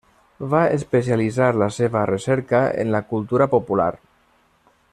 Va especialitzar la seva recerca en la cultura popular.